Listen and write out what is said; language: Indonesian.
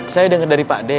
saya dengar dari pak d